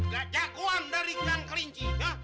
gak jagoan dari gang kelinci